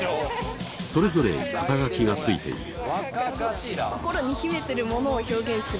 それぞれ肩書がついている。